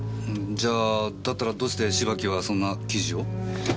じゃあだったらどうして芝木はそんな記事を？